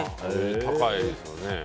高いですよね。